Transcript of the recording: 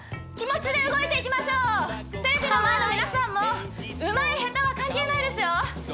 気持ちで動いていきましょうテレビの前の皆さんもうまい下手は関係ないですよ